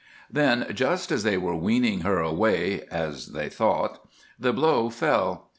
Then, just as they were weaning her away, as they thought, the blow fell.